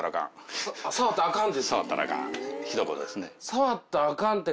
「触ったらあかん」って。